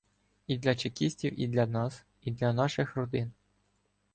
і для чекістів, і для нас, і для наших родин.